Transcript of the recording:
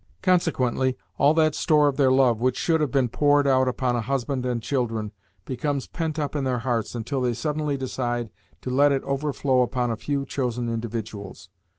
Consequently all that store of their love which should have been poured out upon a husband and children becomes pent up in their hearts, until they suddenly decide to let it overflow upon a few chosen individuals.